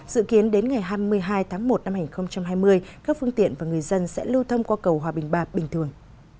dự kiến đến ngày hai mươi hai tháng một năm hai nghìn hai mươi các phương tiện và người dân sẽ lưu thông qua cầu hòa bình ba bình thường